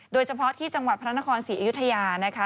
โดยเฉพาะที่จังหวัดพระนครศรีอยุธยานะคะ